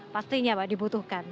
pastinya pak dibutuhkan